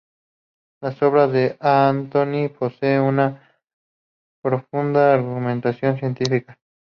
Las obras de Anatoly poseen una profunda argumentación científica.